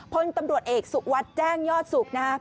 พลตำรวจเอกสุวัสดิ์แจ้งยอดสุขนะฮะ